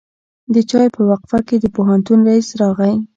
د چای په وقفه کې د پوهنتون رئیس راغی.